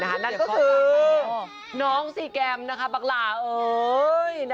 นั่นก็คือน้องซีแกรมปักหล่าเอ๋ย